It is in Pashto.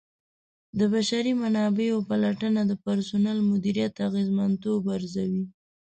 د بشري منابعو پلټنه د پرسونل مدیریت اغیزمنتوب ارزوي.